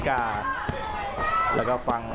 อย่างเล็กครับ